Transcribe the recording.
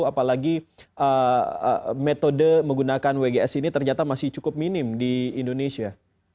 apalagi metode menggunakan wgs ini ternyata masih cukup minim di indonesia